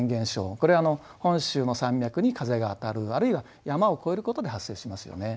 これはあの本州の山脈に風が当たるあるいは山を越えることで発生しますよね。